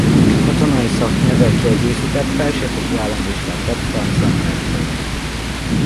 Katonai szaknyelvvel kiegészített felsőfokú államvizsgát tett francia nyelvből.